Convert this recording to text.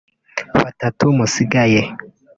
batatu musigaye